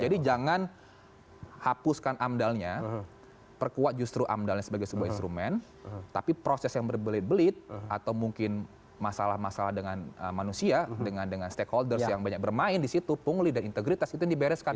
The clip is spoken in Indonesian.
jadi jangan hapuskan amdalnya perkuat justru amdalnya sebagai sebuah instrumen tapi proses yang berbelit belit atau mungkin masalah masalah dengan manusia dengan stakeholders yang banyak bermain di situ pungli dan integritas itu dibereskan